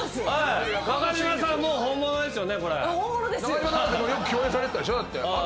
中島さんなんてよく共演されてたでしょ？